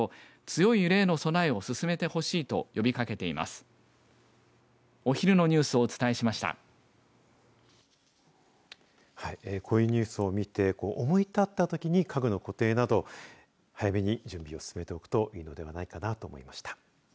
こういうニュースを見て思い立ったときに家具の固定など早めに準備を進めておくといいのではないかなと思いました。